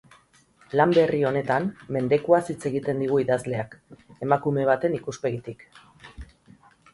Lan berri honetan, mendekuaz hitz egiten digu idazleak, emakume baten ikuspegitik.